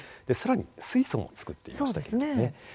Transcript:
さらに水素も作っていましたよね。